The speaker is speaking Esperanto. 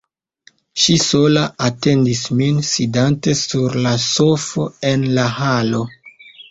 Ŝi sola atendis min, sidante sur la sofo en la halo.